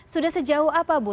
sudah sejauh apa bu